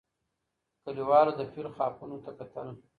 کلیوالو د فیل خاپونو ته کتل.